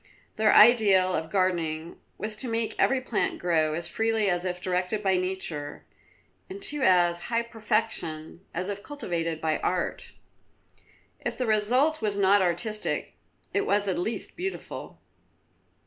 Their ideal of gardening was to make every plant grow as freely as if directed by nature, and to as high perfection as if cultivated by art. If the result was not artistic, it was at least beautiful.